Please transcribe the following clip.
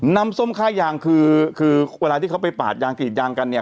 น้ำส้มค่ายางคือคือเวลาที่เขาไปปาดยางกรีดยางกันเนี่ย